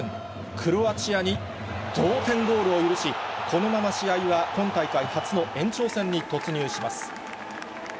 クロアチアに同点ゴールを許し、このまま試合は今大会初の延長戦に突入します。